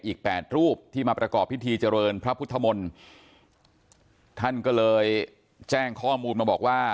แปดรูปที่มาประกอบพิธีเจริญพระพุทธมนตร์ท่านก็เลยแจ้งข้อมูลมาบอกว่า